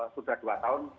sudah dua tahun